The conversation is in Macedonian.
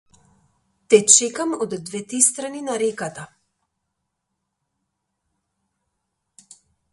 Те чекам од двете страни на реката.